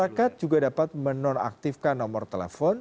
masyarakat juga dapat menonaktifkan nomor telepon